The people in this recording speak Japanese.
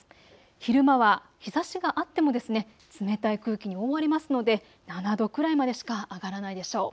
昼間は日ざしがあっても冷たい空気に覆われますので７度くらいまでしか上がらないでしょう。